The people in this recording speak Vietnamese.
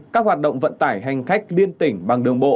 các hoạt động vận tải hành khách liên tỉnh bằng đường bộ